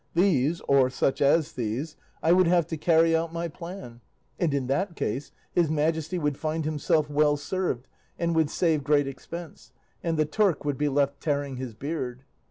These, or such as these, I would have to carry out my plan, and in that case his Majesty would find himself well served and would save great expense, and the Turk would be left tearing his beard.